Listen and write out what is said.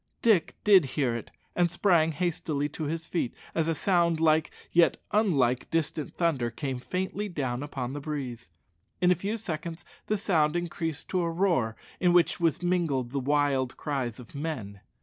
Dick did hear it, and sprang hastily to his feet, as a sound like, yet unlike, distant thunder came faintly down upon the breeze. In a few seconds the sound increased to a roar in which was mingled the wild cries of men.